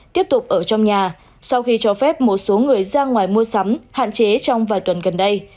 tiếp tục ở trong nhà sau khi cho phép một số người ra ngoài mua sắm hạn chế trong vài tuần gần đây